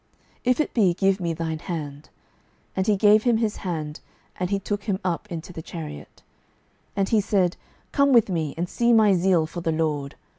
If it be, give me thine hand. And he gave him his hand; and he took him up to him into the chariot. 12:010:016 And he said, Come with me, and see my zeal for the LORD.